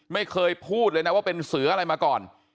ไม่เคยพูดเลยนะว่าเป็นเสืออะไรมาก่อน